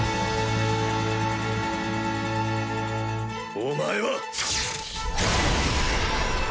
お前は！